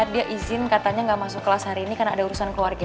dia izin katanya nggak masuk kelas hari ini karena ada urusan keluarga